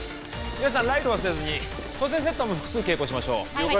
皆さんライト忘れずに蘇生セットも複数携行しましょうはい！